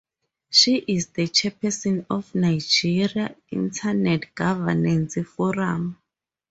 She is the chairperson of Nigeria Internet Governance Forum.